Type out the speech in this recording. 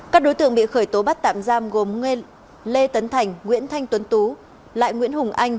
các đối tượng bị khởi tố bắt tạm giam gồm lê tấn thành nguyễn thanh tuấn tú lại nguyễn hùng anh